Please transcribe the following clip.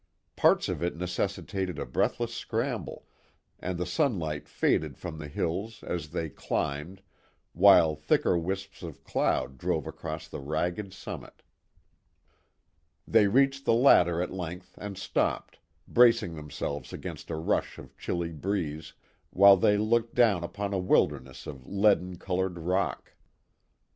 Parts of it necessitated a breathless scramble, and the sunlight faded from the hills as they climbed, while thicker wisps of cloud drove across the ragged summit. They reached the latter at length and stopped, bracing themselves against a rush of chilly breeze, while they looked down upon a wilderness of leaden coloured rock.